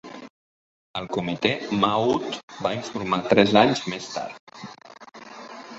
El comitè MAUD va informar tres anys més tard.